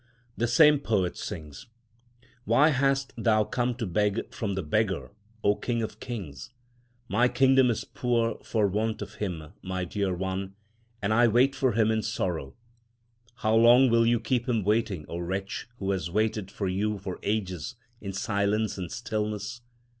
The same poet sings: What hast thou come to beg from the beggar, O King of Kings? My Kingdom is poor for want of him, my dear one, and I wait for him in sorrow. How long will you keep him waiting, O wretch, who has waited for you for ages in silence and stillness?